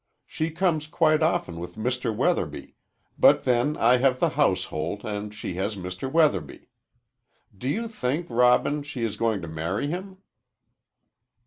She comes quite often with Mr. Weatherby, but then I have the household and she has Mr. Weatherby. Do you think, Robin, she is going to marry him?"